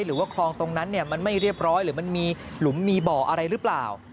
หรือว่าคลองตรงนั้นมันไม่เรียบร้อยหรือมันมีหลุมมีบ่ออะไรหรือเปล่า